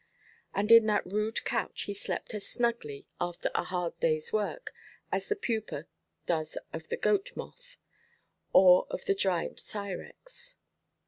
And in that rude couch he slept as snugly, after a hard dayʼs work, as the pupa does of the goat moth, or of the giant sirex.